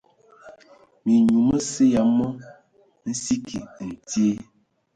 Minyu məsə ya wɔ mə səki ntye.